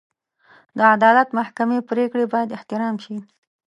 د عدالت محکمې پرېکړې باید احترام شي.